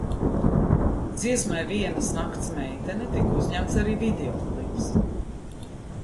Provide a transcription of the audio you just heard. "Dziesmai "Vienas nakts meitene" tika uzņemts arī videoklips."